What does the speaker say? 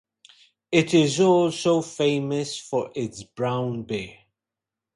It is also famous for its brown bear.